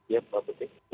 ya pak putri